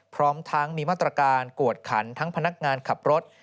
พร้อมทั้งมีมาตรการกวดขันทั้งพนักงานขับรถ